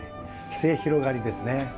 末広がりですね。